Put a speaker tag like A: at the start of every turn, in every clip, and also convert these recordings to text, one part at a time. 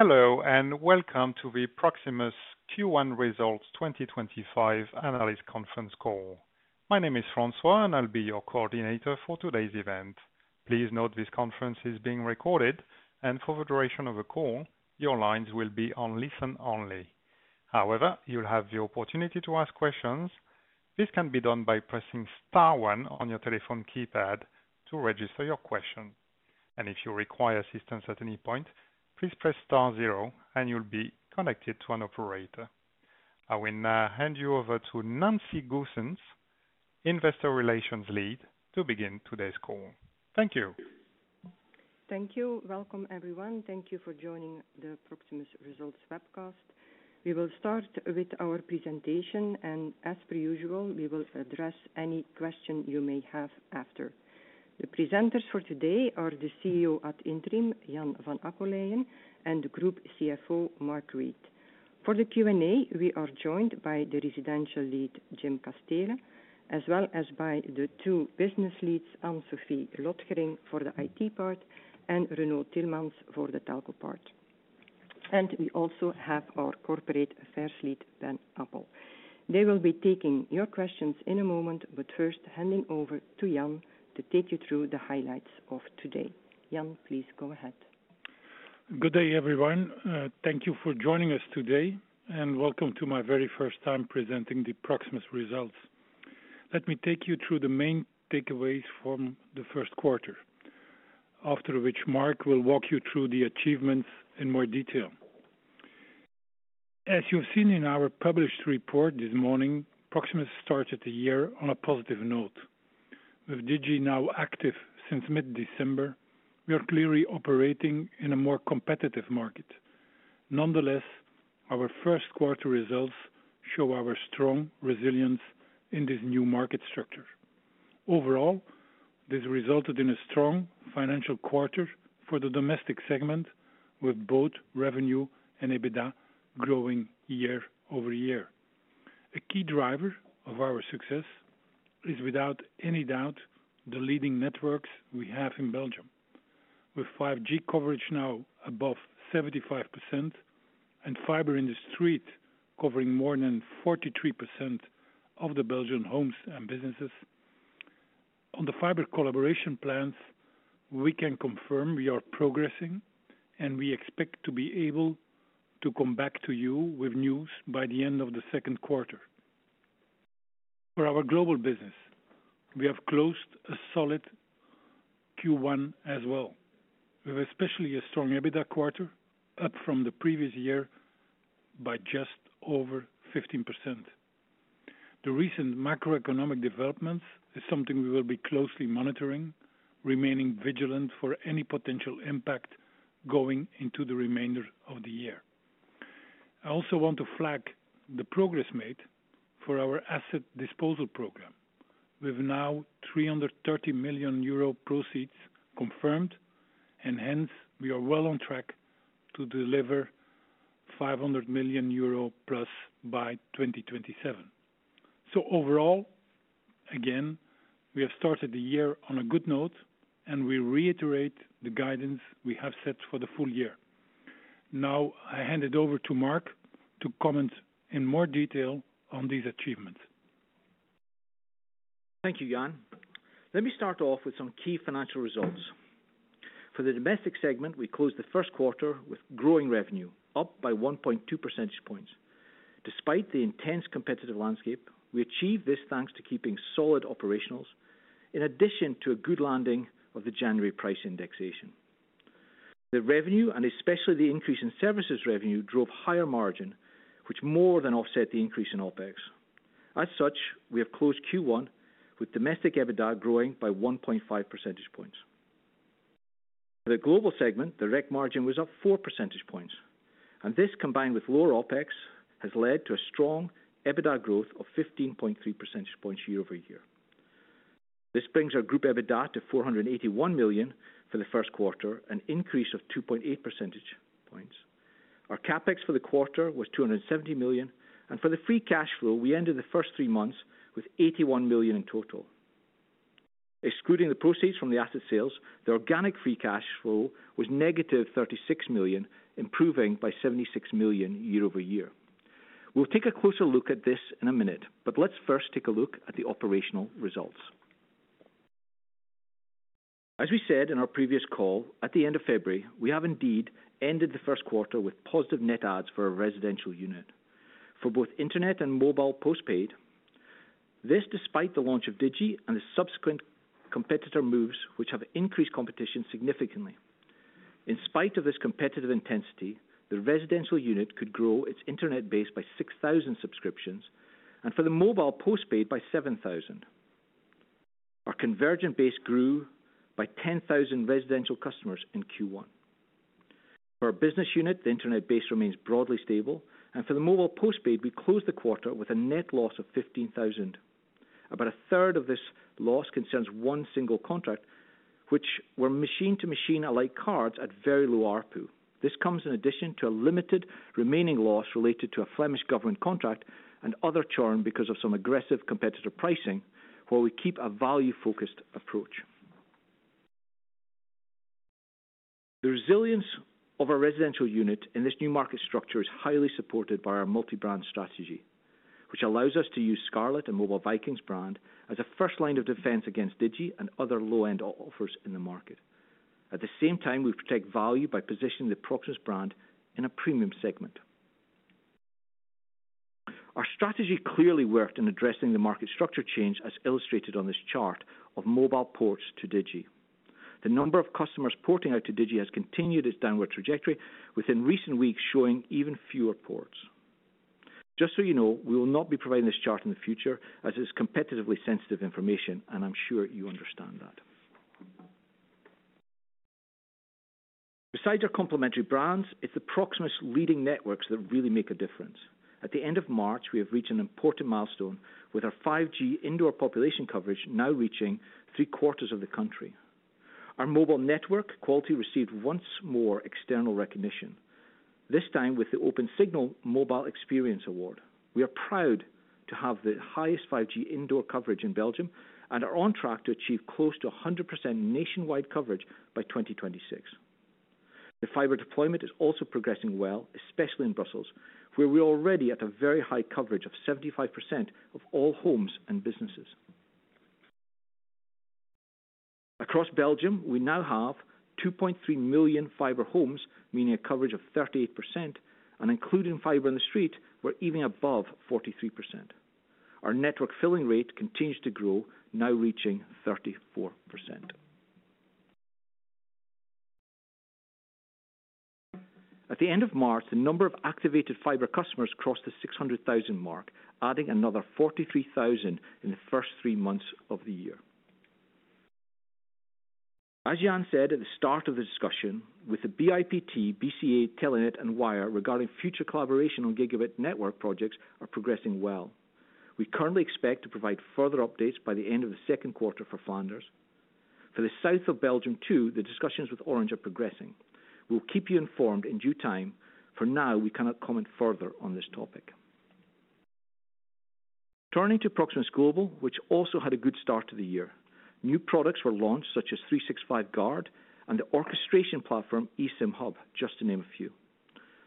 A: Hello, and welcome to the Proximus Q1 Results 2025 Analyst conference call. My name is François, and I'll be your coordinator for today's event. Please note this conference is being recorded, and for the duration of the call, your lines will be on listen only. However, you'll have the opportunity to ask questions. This can be done by pressing star one on your telephone keypad to register your question. If you require assistance at any point, please press star zero, and you'll be connected to an operator. I will now hand you over to Nancy Goossens, Investor Relations Lead, to begin today's call. Thank you.
B: Thank you. Welcome, everyone. Thank you for joining the Proximus Results Webcast. We will start with our presentation, and as per usual, we will address any question you may have after. The presenters for today are the CEO at Interim, Jan Van Acoleyen, and the Group CFO, Mark Reid. For the Q&A, we are joined by the Residential Lead, Jim Casteele, as well as by the two Business Leads, Anne-Sophie Lotgering for the IT part and Renaud Tilmans for the Telco part. We also have our Corporate Affairs Lead, Ben Apple. They will be taking your questions in a moment, but first, handing over to Jan to take you through the highlights of today. Jan, please go ahead.
C: Good day, everyone. Thank you for joining us today, and welcome to my very first time presenting the Proximus Results. Let me take you through the main takeaways from the first quarter, after which Mark will walk you through the achievements in more detail. As you've seen in our published report this morning, Proximus started the year on a positive note. With Digi now active since mid-December, we are clearly operating in a more competitive market. Nonetheless, our first quarter results show our strong resilience in this new market structure. Overall, this resulted in a strong financial quarter for the domestic segment, with both revenue and EBITDA growing year-over-year. A key driver of our success is, without any doubt, the leading networks we have in Belgium, with 5G coverage now above 75% and fiber in the street covering more than 43% of the Belgian homes and businesses. On the fiber collaboration plans, we can confirm we are progressing, and we expect to be able to come back to you with news by the end of the second quarter. For our global business, we have closed a solid Q1 as well, with especially a strong EBITDA quarter, up from the previous year by just over 15%. The recent macroeconomic developments are something we will be closely monitoring, remaining vigilant for any potential impact going into the remainder of the year. I also want to flag the progress made for our asset disposal program. We have now 330 million euro proceeds confirmed, and hence, we are well on track to deliver 500 million euro plus by 2027. Overall, again, we have started the year on a good note, and we reiterate the guidance we have set for the full year. Now, I hand it over to Mark to comment in more detail on these achievements.
D: Thank you, Jan. Let me start off with some key financial results. For the domestic segment, we closed the first quarter with growing revenue, up by 1.2 percentage points. Despite the intense competitive landscape, we achieved this thanks to keeping solid operationals, in addition to a good landing of the January price indexation. The revenue, and especially the increase in services revenue, drove higher margins, which more than offset the increase in OpEx. As such, we have closed Q1 with domestic EBITDA growing by 1.5 percentage points. For the global segment, the rec margin was up 4 percentage points, and this, combined with lower OpEx, has led to a strong EBITDA growth of 15.3 percentage points year-over-year. This brings our group EBITDA to 481 million for the first quarter, an increase of 2.8 percentage points. Our CapEx for the quarter was 270 million, and for the free cash flow, we ended the first three months with 81 million in total. Excluding the proceeds from the asset sales, the organic free cash flow was negative 36 million, improving by 76 million year-over-year. We'll take a closer look at this in a minute, but let's first take a look at the operational results. As we said in our previous call, at the end of February, we have indeed ended the first quarter with positive net adds for a residential unit, for both internet and mobile postpaid. This is despite the launch of Digi and the subsequent competitor moves, which have increased competition significantly. In spite of this competitive intensity, the residential unit could grow its internet base by 6,000 subscriptions and for the mobile postpaid by 7,000. Our convergent base grew by 10,000 residential customers in Q1. For our business unit, the internet base remains broadly stable, and for the mobile postpaid, we closed the quarter with a net loss of 15,000. About a third of this loss concerns one single contract, which were machine-to-machine alike cards at very low ARPU. This comes in addition to a limited remaining loss related to a Flemish government contract and other churn because of some aggressive competitor pricing, where we keep a value-focused approach. The resilience of our residential unit in this new market structure is highly supported by our multi-brand strategy, which allows us to use Scarlett and Mobile Vikings brand as a first line of defense against Digi and other low-end offers in the market. At the same time, we protect value by positioning the Proximus brand in a premium segment. Our strategy clearly worked in addressing the market structure change, as illustrated on this chart of mobile ports to Digi. The number of customers porting out to Digi has continued its downward trajectory, within recent weeks showing even fewer ports. Just so you know, we will not be providing this chart in the future, as it is competitively sensitive information, and I'm sure you understand that. Besides our complementary brands, it's the Proximus leading networks that really make a difference. At the end of March, we have reached an important milestone, with our 5G indoor population coverage now reaching three quarters of the country. Our mobile network quality received once more external recognition, this time with the Open Signal Mobile Experience Award. We are proud to have the highest 5G indoor coverage in Belgium and are on track to achieve close to 100% nationwide coverage by 2026. The fiber deployment is also progressing well, especially in Brussels, where we are already at a very high coverage of 75% of all homes and businesses. Across Belgium, we now have 2.3 million fiber homes, meaning a coverage of 38%, and including fiber in the street, we're even above 43%. Our network filling rate continues to grow, now reaching 34%. At the end of March, the number of activated fiber customers crossed the 600,000 mark, adding another 43,000 in the first three months of the year. As Jan said at the start of the discussion, with the BIPT, BCA Telinet, and Wire regarding future collaboration on gigabit network projects, we are progressing well. We currently expect to provide further updates by the end of the second quarter for Flanders. For the south of Belgium too, the discussions with Orange are progressing. We'll keep you informed in due time. For now, we cannot comment further on this topic. Turning to Proximus Global, which also had a good start to the year. New products were launched, such as 365 Guard and the orchestration platform eSIM Hub, just to name a few.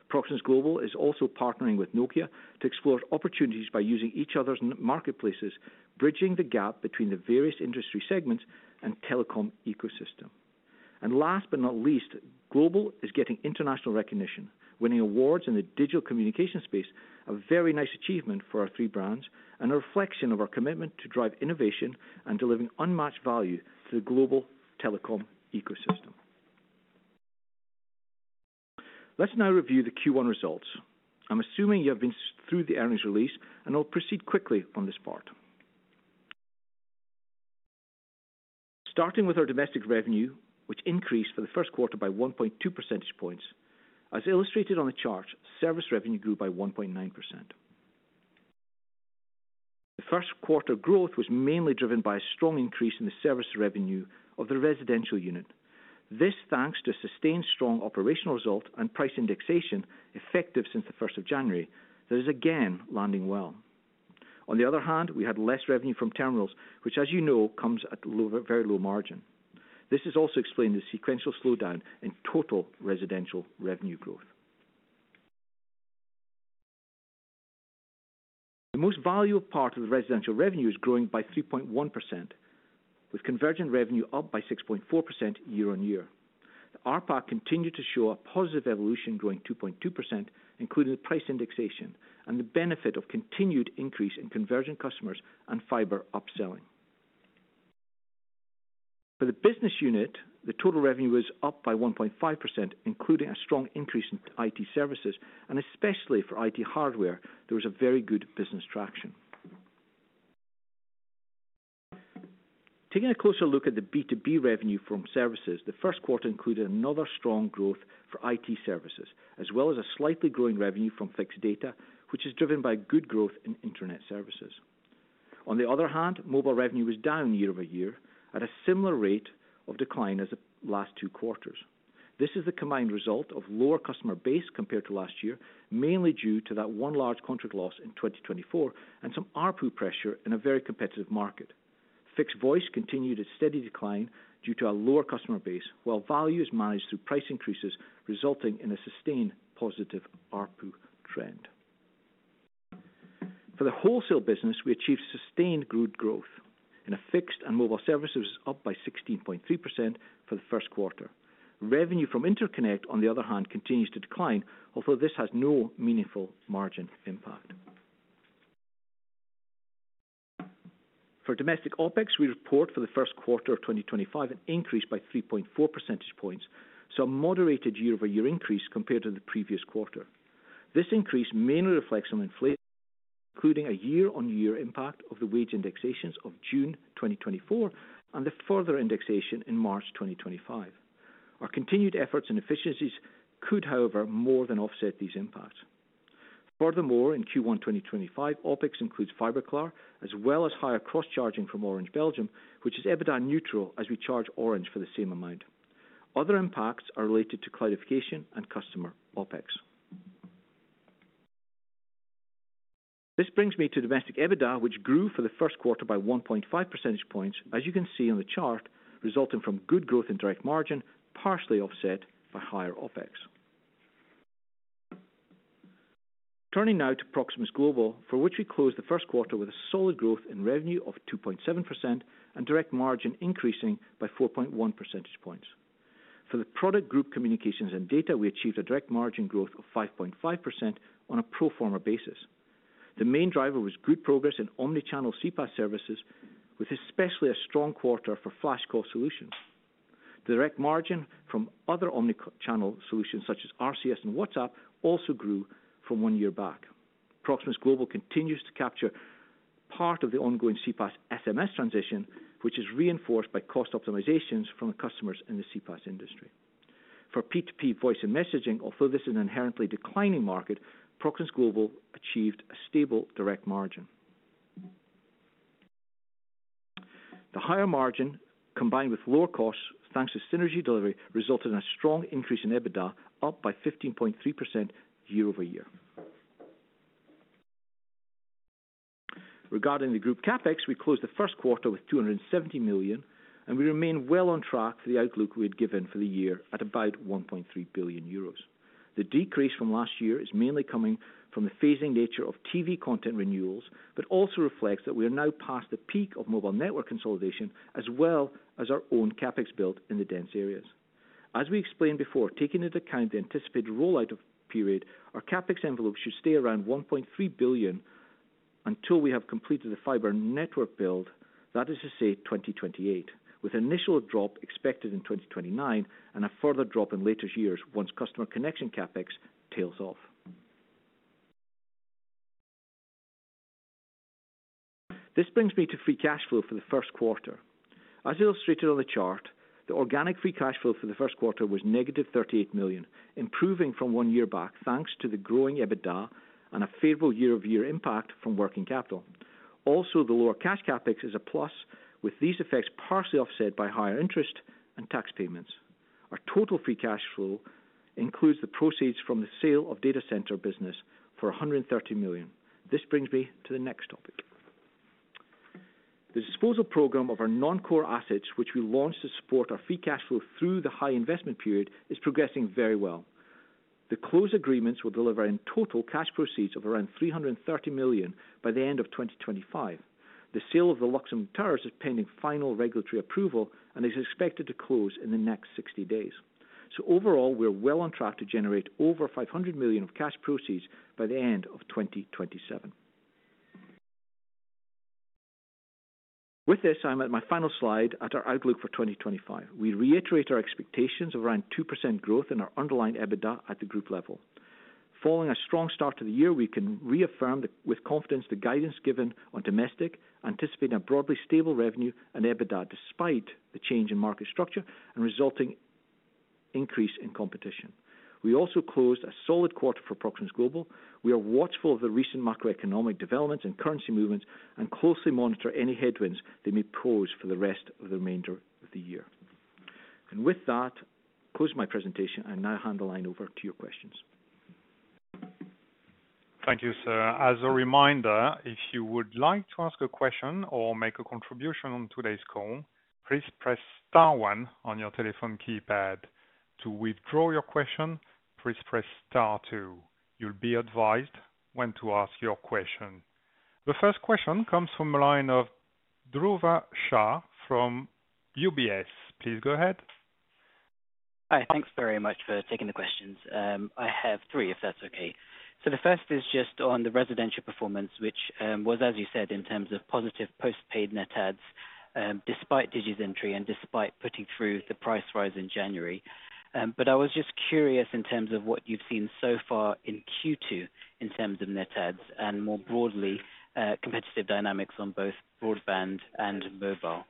D: Proximus Global is also partnering with Nokia to explore opportunities by using each other's marketplaces, bridging the gap between the various industry segments and telecom ecosystem. Last but not least, Global is getting international recognition, winning awards in the digital communication space, a very nice achievement for our three brands, and a reflection of our commitment to drive innovation and delivering unmatched value to the global telecom ecosystem. Let's now review the Q1 results. I'm assuming you have been through the earnings release, and I'll proceed quickly on this part. Starting with our domestic revenue, which increased for the first quarter by 1.2 percentage points. As illustrated on the chart, service revenue grew by 1.9%. The first quarter growth was mainly driven by a strong increase in the service revenue of the residential unit. This is thanks to a sustained strong operational result and price indexation effective since the first of January, that is again landing well. On the other hand, we had less revenue from terminals, which, as you know, comes at a very low margin. This is also explained by the sequential slowdown in total residential revenue growth. The most valuable part of the residential revenue is growing by 3.1%, with convergent revenue up by 6.4% year on year. The RPAC continued to show a positive evolution, growing 2.2%, including the price indexation and the benefit of continued increase in convergent customers and fiber upselling. For the business unit, the total revenue was up by 1.5%, including a strong increase in IT services, and especially for IT hardware, there was a very good business traction. Taking a closer look at the B2B revenue from services, the first quarter included another strong growth for IT services, as well as a slightly growing revenue from fixed data, which is driven by good growth in internet services. On the other hand, mobile revenue was down year-over-year at a similar rate of decline as the last two quarters. This is the combined result of a lower customer base compared to last year, mainly due to that one large contract loss in 2024 and some ARPU pressure in a very competitive market. Fixed voice continued its steady decline due to a lower customer base, while value is managed through price increases, resulting in a sustained positive ARPU trend. For the wholesale business, we achieved sustained growth, and fixed and mobile services were up by 16.3% for the first quarter. Revenue from interconnect, on the other hand, continues to decline, although this has no meaningful margin impact. For domestic OpEx, we report for the first quarter of 2025 an increase by 3.4 percentage points, so a moderated year-over-year increase compared to the previous quarter. This increase mainly reflects on inflation, including a year-on-year impact of the wage indexations of June 2024 and the further indexation in March 2025. Our continued efforts and efficiencies could, however, more than offset these impacts. Furthermore, in Q1 2025, OpEx includes Fiberklaar as well as higher cross-charging from Orange Belgium, which is EBITDA neutral as we charge Orange for the same amount. Other impacts are related to cloudification and customer OpEx. This brings me to domestic EBITDA, which grew for the first quarter by 1.5 percentage points, as you can see on the chart, resulting from good growth in direct margin, partially offset by higher OpEx. Turning now to Proximus Global, for which we closed the first quarter with a solid growth in revenue of 2.7% and direct margin increasing by 4.1 percentage points. For the product group communications and data, we achieved a direct margin growth of 5.5% on a pro forma basis. The main driver was good progress in omnichannel CPaaS services, with especially a strong quarter for Flash Call solutions. The direct margin from other omnichannel solutions, such as RCS and WhatsApp, also grew from one year back. Proximus Global continues to capture part of the ongoing CPaaS SMS transition, which is reinforced by cost optimizations from the customers in the CPaaS industry. For P2P voice and messaging, although this is an inherently declining market, Proximus Global achieved a stable direct margin. The higher margin, combined with lower costs thanks to synergy delivery, resulted in a strong increase in EBITDA, up by 15.3% year-over-year. Regarding the group CapEx, we closed the first quarter with 270 million, and we remain well on track for the outlook we had given for the year at about 1.3 billion euros. The decrease from last year is mainly coming from the phasing nature of TV content renewals, but also reflects that we are now past the peak of mobile network consolidation, as well as our own CapEx build in the dense areas. As we explained before, taking into account the anticipated rollout period, our CapEx envelope should stay around 1.3 billion until we have completed the fiber network build, that is to say 2028, with an initial drop expected in 2029 and a further drop in later years once customer connection CapEx tails off. This brings me to free cash flow for the first quarter. As illustrated on the chart, the organic free cash flow for the first quarter was negative 38 million, improving from one year back thanks to the growing EBITDA and a favorable year-over-year impact from working capital. Also, the lower cash CapEx is a plus, with these effects partially offset by higher interest and tax payments. Our total free cash flow includes the proceeds from the sale of data center business for 130 million. This brings me to the next topic. The disposal program of our non-core assets, which we launched to support our free cash flow through the high investment period, is progressing very well. The closed agreements will deliver in total cash proceeds of around 330 million by the end of 2025. The sale of the Luxembourg Terrace is pending final regulatory approval and is expected to close in the next 60 days. Overall, we are well on track to generate over 500 million of cash proceeds by the end of 2027. With this, I'm at my final slide at our outlook for 2025. We reiterate our expectations of around 2% growth in our underlying EBITDA at the group level. Following a strong start to the year, we can reaffirm with confidence the guidance given on domestic, anticipating a broadly stable revenue and EBITDA despite the change in market structure and resulting increase in competition. We also closed a solid quarter for Proximus Global. We are watchful of the recent macroeconomic developments and currency movements and closely monitor any headwinds they may pose for the rest of the remainder of the year. With that, I close my presentation and now hand the line over to your questions.
A: Thank you, sir. As a reminder, if you would like to ask a question or make a contribution on today's call, please press star one on your telephone keypad. To withdraw your question, please press star two. You will be advised when to ask your question. The first question comes from a line of Dhruva Shah from UBS. Please go ahead.
E: Hi, thanks very much for taking the questions. I have three, if that's okay. The first is just on the residential performance, which was, as you said, in terms of positive post-paid net adds, despite Digi's entry and despite putting through the price rise in January. I was just curious in terms of what you've seen so far in Q2 in terms of net adds and more broadly competitive dynamics on both broadband and mobile.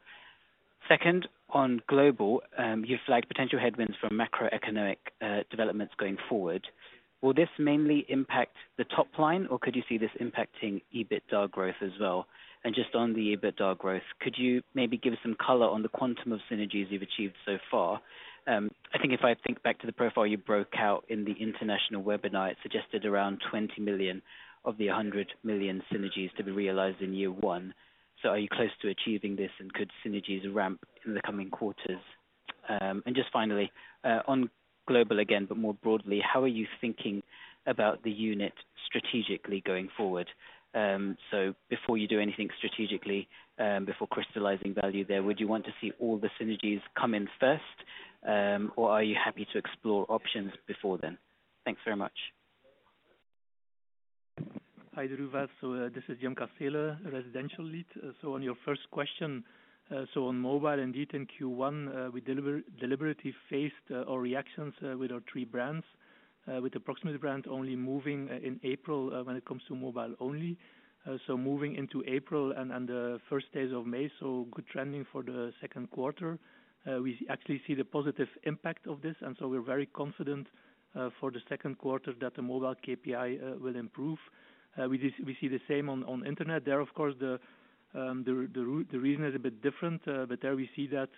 E: Second, on global, you've flagged potential headwinds from macroeconomic developments going forward. Will this mainly impact the top line, or could you see this impacting EBITDA growth as well? Just on the EBITDA growth, could you maybe give us some color on the quantum of synergies you've achieved so far? I think if I think back to the profile you broke out in the international webinar, it suggested around 20 million of the 100 million synergies to be realized in year one. Are you close to achieving this, and could synergies ramp in the coming quarters? Just finally, on global again, but more broadly, how are you thinking about the unit strategically going forward? Before you do anything strategically, before crystallizing value there, would you want to see all the synergies come in first, or are you happy to explore options before then? Thanks very much.
F: Hi Dhruva, this is Jim Casteele, Residential Lead. On your first question, on mobile indeed in Q1, we deliberately phased our reactions with our three brands, with the Proximus brand only moving in April when it comes to mobile only. Moving into April and the first days of May, good trending for the second quarter. We actually see the positive impact of this, and we are very confident for the second quarter that the mobile KPI will improve. We see the same on internet there. Of course, the reason is a bit different, but there we see that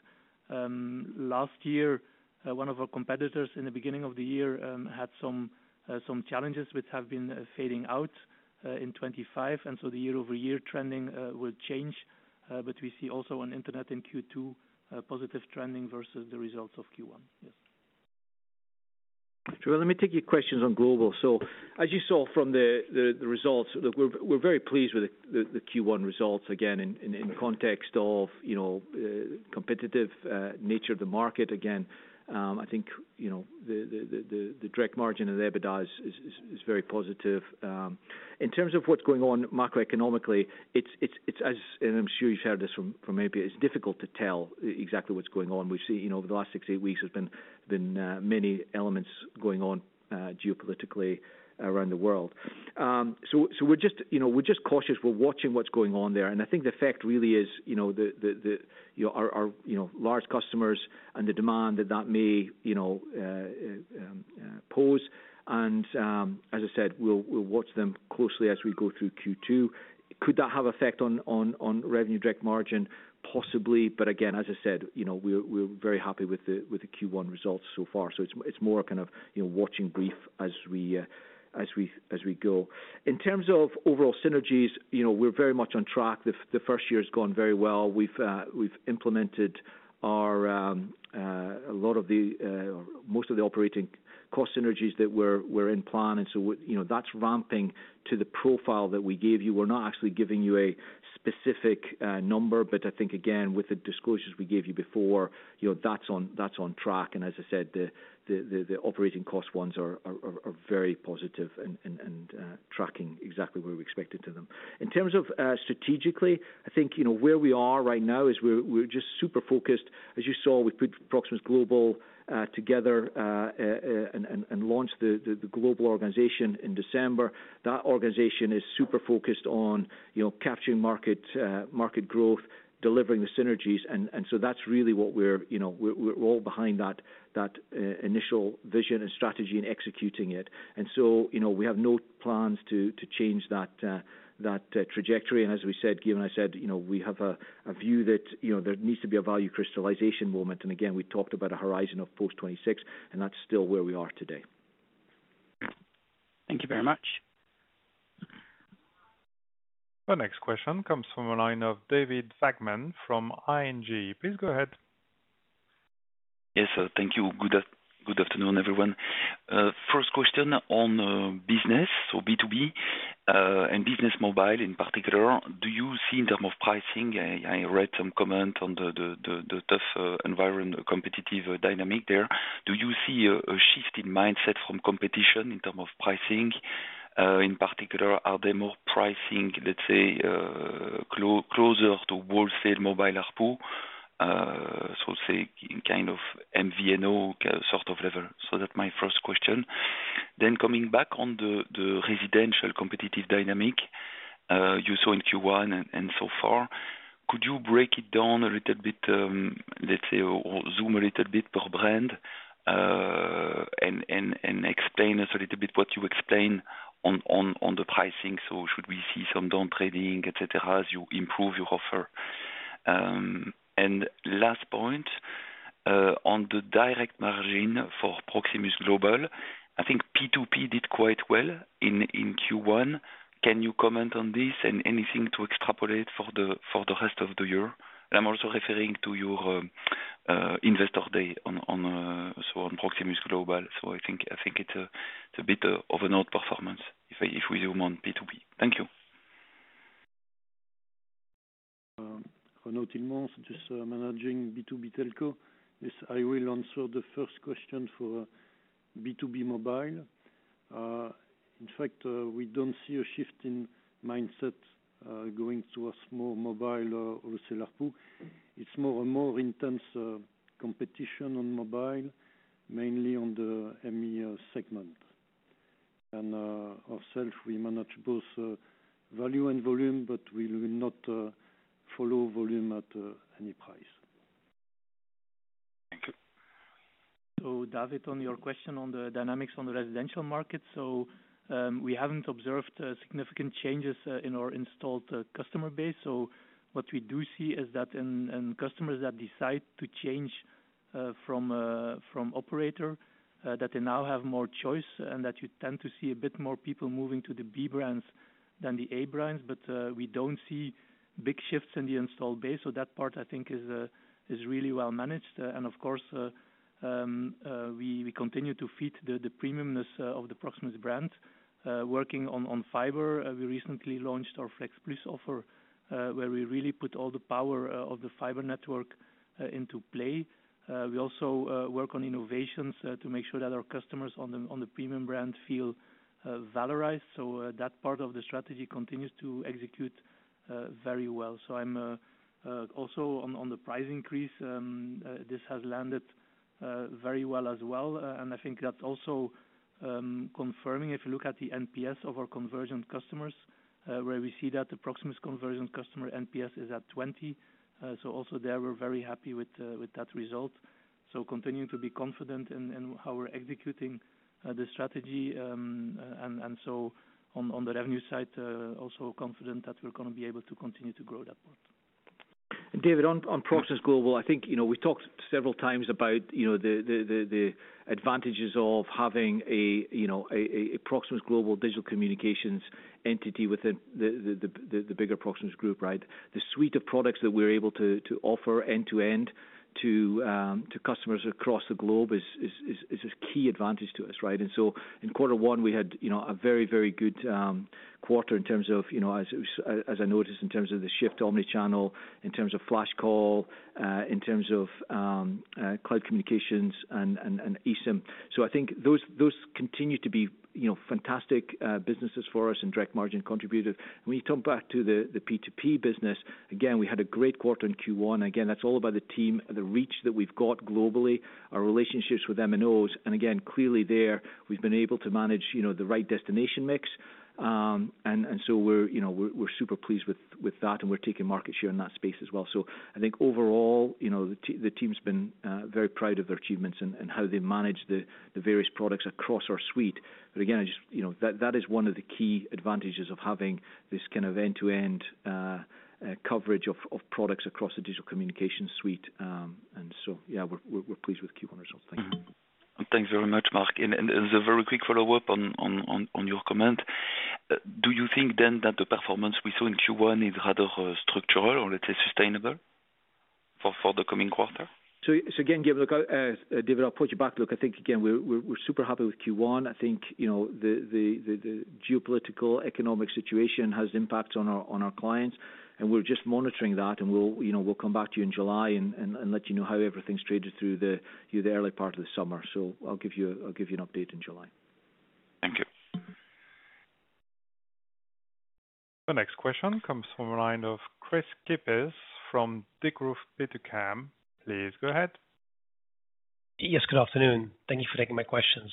F: last year one of our competitors in the beginning of the year had some challenges, which have been fading out in 2025. The year-over-year trending will change, but we see also on internet in Q2 positive trending versus the results of Q1. Yes.
D: Dhruva, let me take your questions on global. As you saw from the results, we're very pleased with the Q1 results again in context of the competitive nature of the market. Again, I think the direct margin and the EBITDA is very positive. In terms of what's going on macroeconomically, it's, and I'm sure you've heard this from AP, it's difficult to tell exactly what's going on. We've seen over the last six, eight weeks, there's been many elements going on geopolitically around the world. We are just cautious. We are watching what's going on there. I think the fact really is our large customers and the demand that that may pose. As I said, we will watch them closely as we go through Q2. Could that have an effect on revenue direct margin? Possibly. Again, as I said, we are very happy with the Q1 results so far. It is more kind of watching brief as we go. In terms of overall synergies, we are very much on track. The first year has gone very well. We have implemented a lot of the most of the operating cost synergies that were in plan. That is ramping to the profile that we gave you. We're not actually giving you a specific number, but I think, again, with the disclosures we gave you before, that's on track. As I said, the operating cost ones are very positive and tracking exactly where we expected them to. In terms of strategically, I think where we are right now is we're just super focused. As you saw, we put Proximus Global together and launched the global organization in December. That organization is super focused on capturing market growth, delivering the synergies. That's really what we're all behind, that initial vision and strategy and executing it. We have no plans to change that trajectory. As we said, Gay and I said, we have a view that there needs to be a value crystallization moment. Again, we talked about a horizon of post 2026, and that's still where we are today.
E: Thank you very much.
A: The next question comes from a line of David Vagman from ING. Please go ahead.
G: Yes, thank you. Good afternoon, everyone. First question on business, so B2B and business mobile in particular. Do you see in terms of pricing? I read some comment on the tough environment, competitive dynamic there. Do you see a shift in mindset from competition in terms of pricing? In particular, are they more pricing, let's say, closer to wholesale mobile ARPU, so say kind of MVNO sort of level? That's my first question. Then coming back on the residential competitive dynamic you saw in Q1 and so far, could you break it down a little bit, let's say, or zoom a little bit per brand and explain us a little bit what you explain on the pricing? Should we see some down trading, etc., as you improve your offer? Last point, on the direct margin for Proximus Global, I think P2P did quite well in Q1. Can you comment on this and anything to extrapolate for the rest of the year? I am also referring to your investor day on Proximus Global. I think it is a bit of an outperformance if we zoom on P2P. Thank you.
H: Renaud Tilmans, just managing B2B Telco. Yes, I will answer the first question for B2B mobile. In fact, we do not see a shift in mindset going towards more mobile or seller pool. It is more and more intense competition on mobile, mainly on the ME segment. Ourselves, we manage both value and volume, but we will not follow volume at any price. Thank you.
F: David, on your question on the dynamics on the residential market, we have not observed significant changes in our installed customer base. What we do see is that in customers that decide to change from operator, they now have more choice and you tend to see a bit more people moving to the B brands than the A brands. We do not see big shifts in the installed base. That part, I think, is really well managed. Of course, we continue to feed the premiumness of the Proximus brand. Working on fiber, we recently launched our Flex Plus offer, where we really put all the power of the fiber network into play. We also work on innovations to make sure that our customers on the premium brand feel valorized. That part of the strategy continues to execute very well. Also on the price increase, this has landed very well as well. I think that's also confirming if you look at the NPS of our conversion customers, where we see that the Proximus conversion customer NPS is at 20. We are very happy with that result. Continuing to be confident in how we're executing the strategy. On the revenue side, also confident that we're going to be able to continue to grow that part.
D: David, on Proximus Global, I think we talked several times about the advantages of having a Proximus Global digital communications entity within the bigger Proximus Group, right? The suite of products that we're able to offer end-to-end to customers across the globe is a key advantage to us, right? In quarter one, we had a very, very good quarter in terms of, as I noticed, in terms of the shift to omnichannel, in terms of Flash Call, in terms of cloud communications and eSIM. I think those continue to be fantastic businesses for us and direct margin contributors. When you come back to the P2P business, again, we had a great quarter in Q1. Again, that's all about the team, the reach that we've got globally, our relationships with MNOs. Clearly there, we've been able to manage the right destination mix. We are super pleased with that, and we're taking market share in that space as well. I think overall, the team's been very proud of their achievements and how they manage the various products across our suite. But again, that is one of the key advantages of having this kind of end-to-end coverage of products across the digital communications suite. And so yeah, we're pleased with Q1 results. Thank you.
G: Thanks very much, Mark. As a very quick follow-up on your comment, do you think then that the performance we saw in Q1 is rather structural or, let's say, sustainable for the coming quarter?
D: Again, David, I'll put you back. Look, I think, again, we're super happy with Q1. I think the geopolitical economic situation has impacts on our clients, and we're just monitoring that. We'll come back to you in July and let you know how everything's traded through the early part of the summer. I'll give you an update in July.
G: Thank you.
A: The next question comes from a line of Kris Kippers from Degroof Petercam. Please go ahead.
I: Yes, good afternoon. Thank you for taking my questions.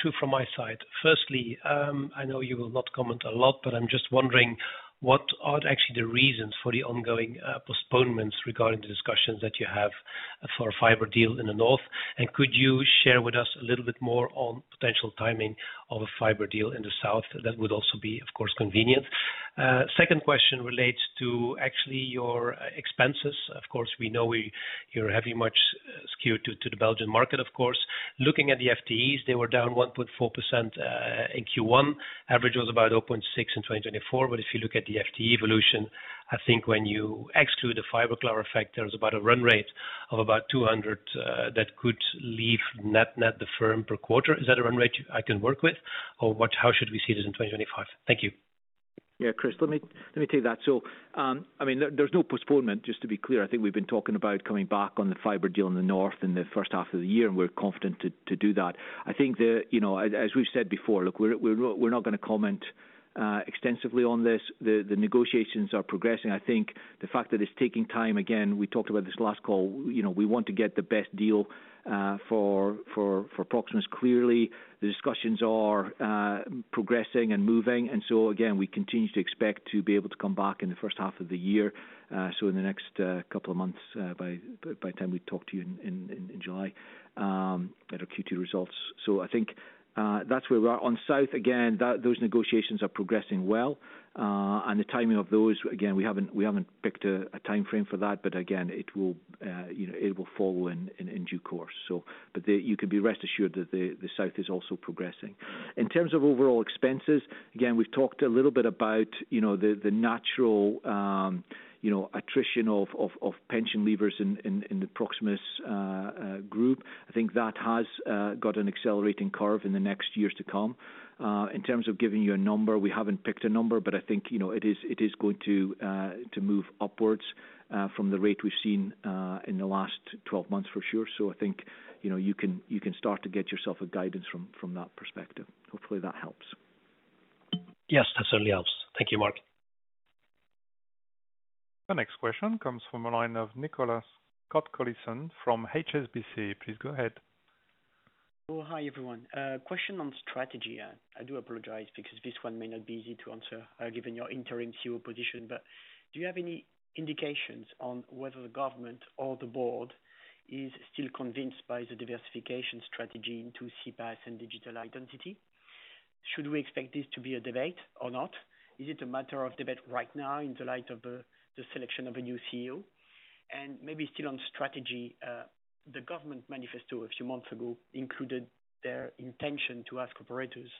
I: Two from my side. Firstly, I know you will not comment a lot, but I'm just wondering, what are actually the reasons for the ongoing postponements regarding the discussions that you have for a fiber deal in the north? Could you share with us a little bit more on potential timing of a fiber deal in the south? That would also be, of course, convenient. Second question relates to actually your expenses. Of course, we know you're very much skewed to the Belgian market, of course. Looking at the FTEs, they were down 1.4% in Q1. Average was about 0.6% in 2024. If you look at the FTE evolution, I think when you exclude the Fiberklaar factors, about a run rate of about 200 that could leave net-net the firm per quarter. Is that a run rate I can work with? Or how should we see this in 2025? Thank you.
D: Yeah, Chris, let me take that. I mean, there's no postponement, just to be clear. I think we've been talking about coming back on the fiber deal in the north in the first half of the year, and we're confident to do that. I think, as we've said before, look, we're not going to comment extensively on this. The negotiations are progressing. I think the fact that it's taking time, again, we talked about this last call, we want to get the best deal for Proximus. Clearly, the discussions are progressing and moving. Again, we continue to expect to be able to come back in the first half of the year. In the next couple of months, by the time we talk to you in July at our Q2 results. I think that's where we are on south. Again, those negotiations are progressing well. The timing of those, again, we haven't picked a timeframe for that. It will follow in due course. You can be rest assured that the south is also progressing. In terms of overall expenses, we've talked a little bit about the natural attrition of pension leavers in the Proximus Group. I think that has got an accelerating curve in the next years to come. In terms of giving you a number, we haven't picked a number, but I think it is going to move upwards from the rate we've seen in the last 12 months for sure. So I think you can start to get yourself a guidance from that perspective. Hopefully, that helps.
I: Yes, that certainly helps. Thank you, Mark.
A: The next question comes from a line of Nicolas Cote-Colisson from HSBC. Please go ahead.
J: Hello everyone. Question on strategy. I do apologize because this one may not be easy to answer given your interim CEO position. But do you have any indications on whether the government or the board is still convinced by the diversification strategy into CPaaS and digital identity? Should we expect this to be a debate or not? Is it a matter of debate right now in the light of the selection of a new CEO? And maybe still on strategy, the government manifesto a few months ago included their intention to ask operators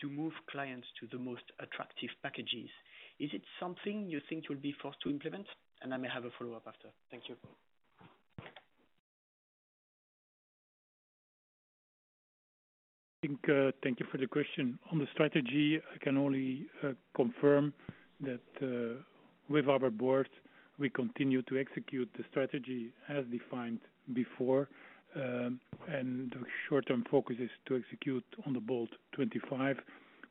J: to move clients to the most attractive packages. Is it something you think you'll be forced to implement? I may have a follow-up after. Thank you.
C: Thank you for the question. On the strategy, I can only confirm that with our board, we continue to execute the strategy as defined before. The short-term focus is to execute on the Bolt 25,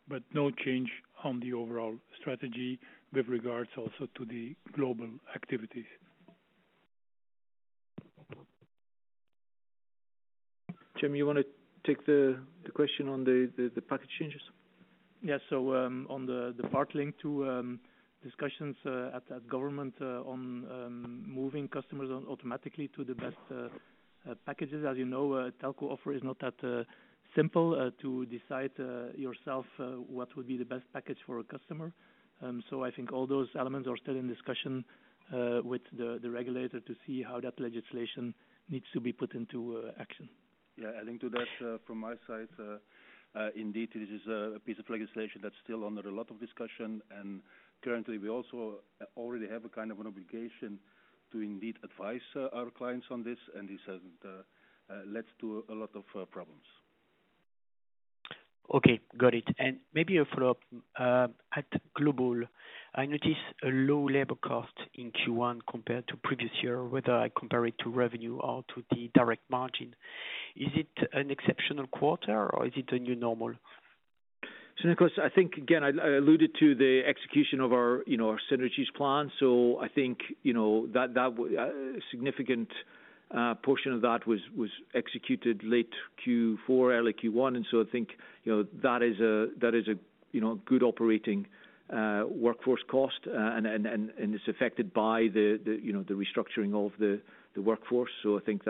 C: but no change on the overall strategy with regards also to the global activities. Jim, you want to take the question on the package changes?
F: Yes. On the part linked to discussions at government on moving customers automatically to the best packages, as you know, Telco offer is not that simple to decide yourself what would be the best package for a customer. I think all those elements are still in discussion with the regulator to see how that legislation needs to be put into action. Yeah, I think to that from my side, indeed, this is a piece of legislation that's still under a lot of discussion. Currently, we also already have a kind of an obligation to indeed advise our clients on this, and this has led to a lot of problems.
J: Okay, got it. Maybe a follow-up. At Global, I noticed a low labor cost in Q1 compared to previous year, whether I compare it to revenue or to the direct margin. Is it an exceptional quarter, or is it the new normal?
D: Nicholas, I think, again, I alluded to the execution of our synergies plan. I think that significant portion of that was executed late Q4, early Q1. I think that is a good operating workforce cost, and it's affected by the restructuring of the workforce. I think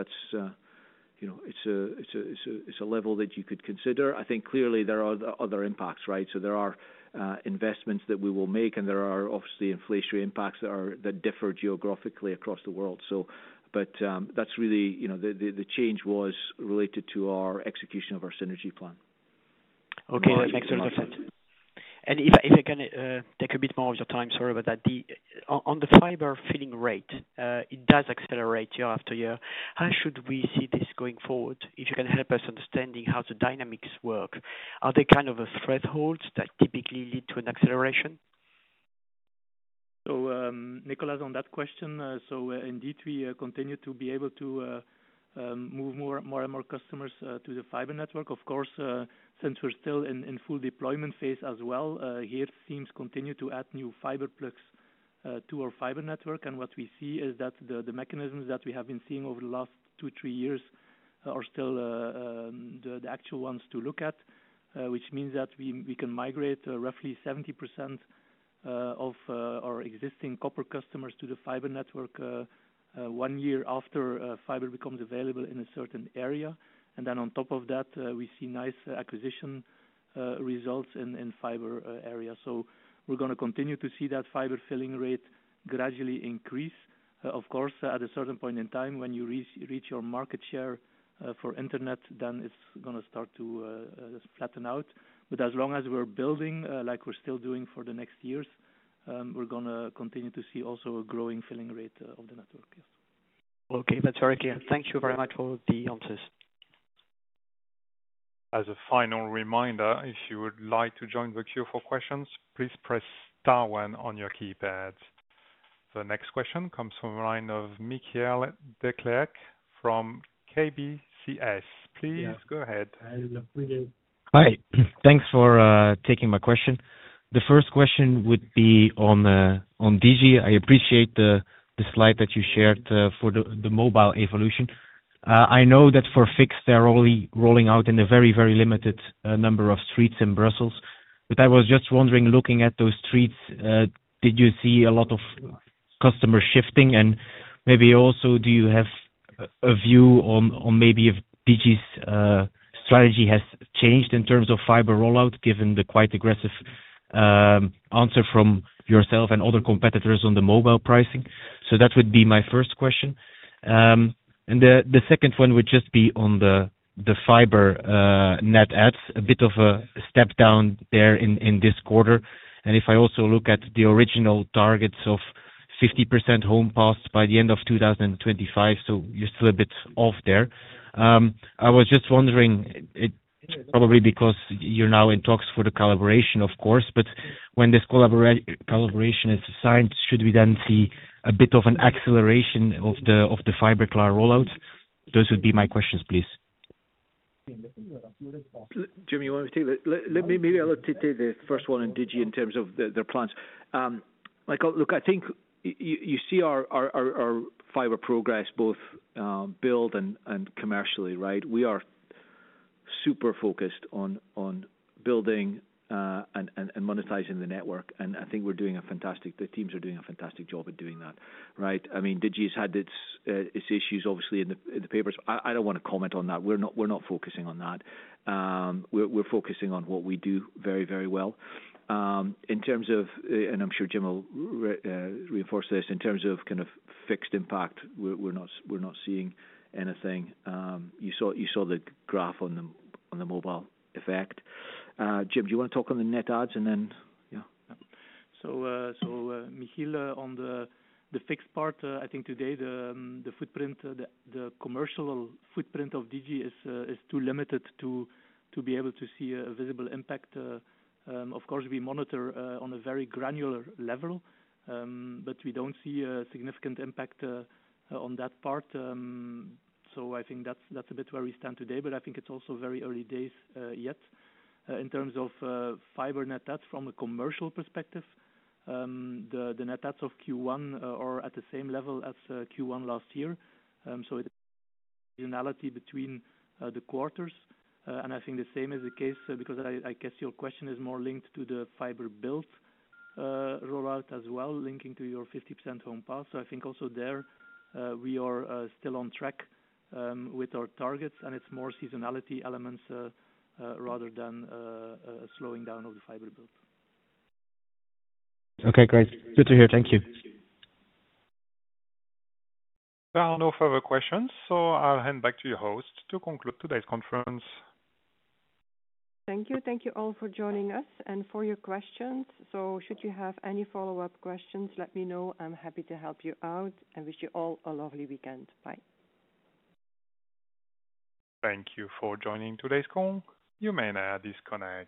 D: it's a level that you could consider. I think clearly there are other impacts, right? There are investments that we will make, and there are obviously inflationary impacts that differ geographically across the world. That is really the change that was related to our execution of our synergy plan.
J: Okay, that makes a lot of sense. If I can take a bit more of your time, sorry about that. On the fiber filling rate, it does accelerate year after year. How should we see this going forward? If you can help us understanding how the dynamics work, are there kind of a threshold that typically lead to an acceleration?
F: Nicholas, on that question, indeed, we continue to be able to move more and more customers to the fiber network. Of course, since we are still in full deployment phase as well, here teams continue to add new fiber plugs to our fiber network. What we see is that the mechanisms that we have been seeing over the last two, three years are still the actual ones to look at, which means that we can migrate roughly 70% of our existing copper customers to the fiber network one year after fiber becomes available in a certain area. On top of that, we see nice acquisition results in fiber area. We are going to continue to see that fiber filling rate gradually increase. Of course, at a certain point in time, when you reach your market share for internet, it is going to start to flatten out. As long as we are building, like we are still doing for the next years, we are going to continue to see also a growing filling rate of the network.
J: Okay, that is all right. Thank you very much for the answers.
A: As a final reminder, if you would like to join the Q4 questions, please press star one on your keypad. The next question comes from a line of Michiel Declercq from KBC Securities. Please go ahead.
K: Hi. Thanks for taking my question. The first question would be on Digi. I appreciate the slide that you shared for the mobile evolution. I know that for fixed, they're only rolling out in a very, very limited number of streets in Brussels. I was just wondering, looking at those streets, did you see a lot of customer shifting? Maybe also, do you have a view on if Digi's strategy has changed in terms of fiber rollout, given the quite aggressive answer from yourself and other competitors on the mobile pricing? That would be my first question. The second one would just be on the fiber net adds, a bit of a step down there in this quarter. If I also look at the original targets of 50% homes passed by the end of 2025, you are still a bit off there. I was just wondering, probably because you are now in talks for the collaboration, of course, but when this collaboration is signed, should we then see a bit of an acceleration of the fiber cloud rollout? Those would be my questions, please.
C: Jim, you want to take that? Maybe I will take the first one on Digi in terms of their plans. Look, I think you see our fiber progress both build and commercially, right? We are super focused on building and monetizing the network. I think we are doing a fantastic—the teams are doing a fantastic job at doing that, right? I mean, Digi has had its issues, obviously, in the papers. I do not want to comment on that. We are not focusing on that. We are focusing on what we do very, very well. In terms of—and I am sure Jim will reinforce this—in terms of kind of fixed impact, we are not seeing anything. You saw the graph on the mobile effect. Jim, do you want to talk on the net adds and then? Yeah.
F: So Michiel, on the fixed part, I think today the commercial footprint of Digi is too limited to be able to see a visible impact. Of course, we monitor on a very granular level, but we do not see a significant impact on that part. I think that is a bit where we stand today. I think it is also very early days yet in terms of fiber net adds from a commercial perspective. The net adds of Q1 are at the same level as Q1 last year. It is seasonality between the quarters. I think the same is the case because I guess your question is more linked to the fiber build rollout as well, linking to your 50% home pass. I think also there we are still on track with our targets. It is more seasonality elements rather than a slowing down of the fiber build.
K: Okay, great. Good to hear. Thank you.
A: There are no further questions, so I'll hand back to your host to conclude today's conference.
B: Thank you. Thank you all for joining us and for your questions. Should you have any follow-up questions, let me know. I'm happy to help you out and wish you all a lovely weekend. Bye.
A: Thank you for joining today's call. You may now disconnect.